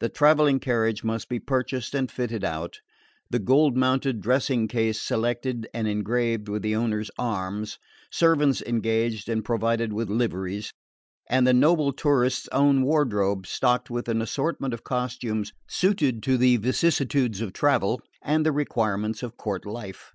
The travelling carriage must be purchased and fitted out, the gold mounted dressing case selected and engraved with the owner's arms, servants engaged and provided with liveries, and the noble tourist's own wardrobe stocked with an assortment of costumes suited to the vicissitudes of travel and the requirements of court life.